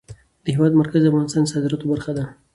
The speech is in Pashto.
د هېواد مرکز د افغانستان د صادراتو برخه ده.